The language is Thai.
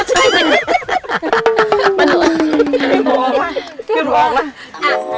หนึ่งสองซ้ำยาดมนุษย์ป้า